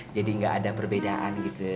jadi nggak ada perbedaan gitu